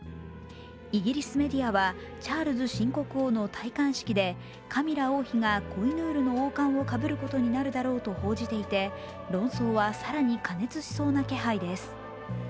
イギリスメディアは、チャールズ新国王の戴冠式でカミラ王妃がコイヌールの王冠をかぶることになるだろうと報じていて論争は更に過熱しそうな気配です。